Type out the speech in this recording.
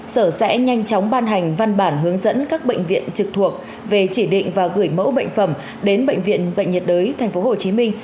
sở sẽ nhanh chóng ban hành văn bản hướng dẫn các bệnh viện trực thuộc về chỉ định và gửi mẫu bệnh phẩm đến bệnh viện bệnh nhiệt đới tp hcm